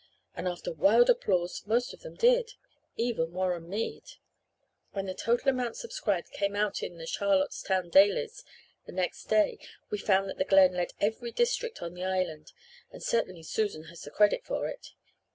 And after wild applause most of them did it, even Warren Mead. When the total amount subscribed came out in the Charlottetown dailies the next day we found that the Glen led every district on the Island and certainly Susan has the credit for it.